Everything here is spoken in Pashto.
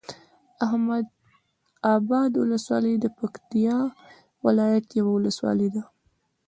احمداباد ولسوالۍ د پکتيا ولايت یوه ولسوالی ده